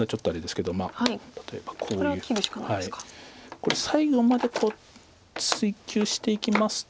これ最後まで追及していきますと。